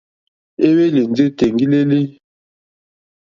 Éhwélì ndí tèŋɡílǃélí.